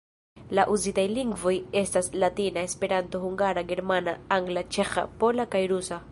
La uzitaj lingvoj estas: latina, Esperanto, hungara, germana, angla, ĉeĥa, pola kaj rusa.